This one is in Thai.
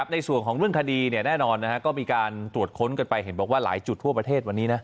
ในส่วนของเรื่องคดีแน่นอนก็มีการตรวจค้นกันไปเห็นบอกว่าหลายจุดทั่วประเทศวันนี้นะ